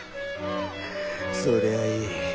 そりゃあいい。